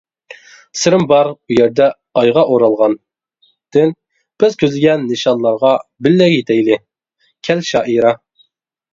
( «سىرىم بار ئۇ يەردە ئايغا ئورالغان» دىن) بىز كۆزلىگەن نىشانلارغا بىللە يېتەيلى، كەل شائىرە!